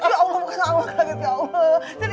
ya allah bukan